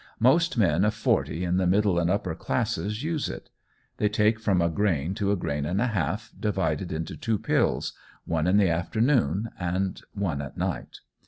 Most men of forty in the middle and upper classes use it. They take from a grain to a grain and a half, divided into two pills, one in the afternoon and one at night.